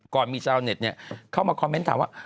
มีชาวเน็ตเข้ามาคอมเมนต์ถามว่า